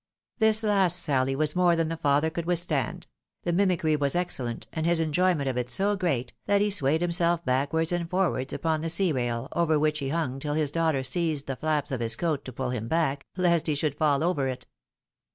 This last sally was more than the father could withstand ; the mimicry was excellent, and his enjoyment of it so great, that he swayed himself backwards and forwards upon the sea rail, over which he hung till his daughter seized the flaps of his coat to pull him back, lest he should fall over it.